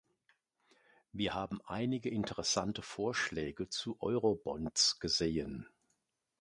Wir haben einige interessante Vorschläge zu Eurobonds gesehen.